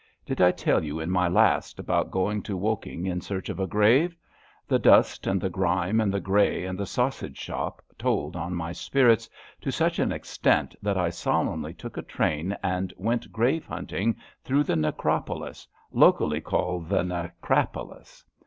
Did I tell you in my last about going to Woking in search of a gravel The dust and the grime and the grey and the sausage^shop told on my spirits to such an extent that I solemnly took a train and went grave hunting through the Necropolis — locally called the Necrapolis.